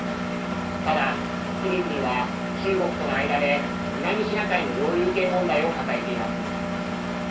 ただ、フィリピンは中国との間で南シナ海の領有権問題を抱えています。